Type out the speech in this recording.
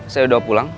saya udah pulang